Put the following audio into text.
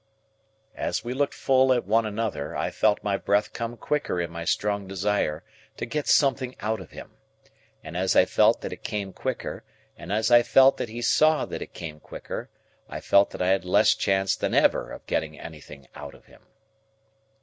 As we looked full at one another, I felt my breath come quicker in my strong desire to get something out of him. And as I felt that it came quicker, and as I felt that he saw that it came quicker, I felt that I had less chance than ever of getting anything out of him.